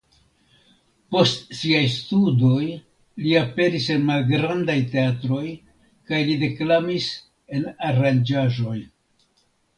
Post siaj studoj li aperis en malgrandaj teatroj kaj li deklamis en aranĝaĵoj.